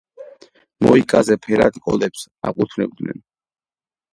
მოიკაზე ფერად კოდებს აკუთვნებდნენ.